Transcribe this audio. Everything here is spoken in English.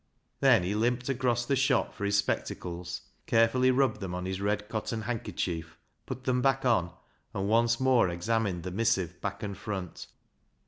Then he limped across the shop for his spectacles, carefully rubbed them on his red cotton handkerchief, put them on, and once more examined the missive back and front.